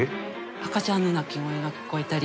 赤ちゃんの泣き声が聞こえたり。